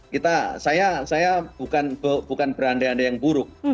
kita saya bukan beranda anda yang buruk